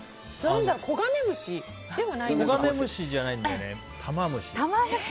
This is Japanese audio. コガネムシじゃないんだよね。